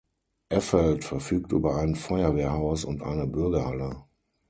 Effeld verfügt über ein Feuerwehrhaus und eine Bürgerhalle.